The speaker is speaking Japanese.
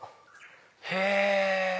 へぇ。